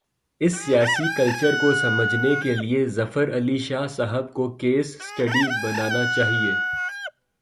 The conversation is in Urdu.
اس سیاسی کلچر کو سمجھنے کے لیے، ظفر علی شاہ صاحب کو "کیس سٹڈی" بنا نا چاہیے۔